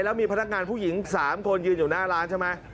แล้วมีพนักงานผู้หญิง๓คนยืนอยู่หน้าร้านใช่ไหม